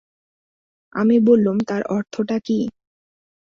আমি বললুম, তার অর্থটা কী?